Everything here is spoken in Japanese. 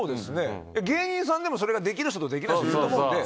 芸人さんでもそれができる人とできない人いるので。